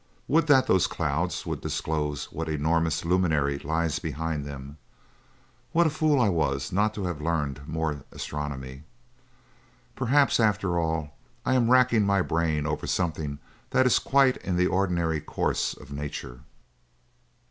Would that those clouds would disclose what enormous luminary lies behind them! What a fool I was not to have learnt more astronomy! Perhaps, after all, I am racking my brain over something that is quite in the ordinary course of nature."